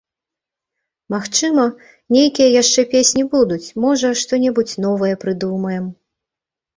Магчыма, нейкія яшчэ песні будуць, можа, што-небудзь новае прыдумаем.